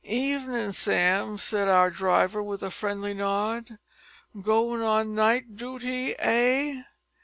"Evenin', Sam," said our driver with a friendly nod; "goin' on night dooty, eh?"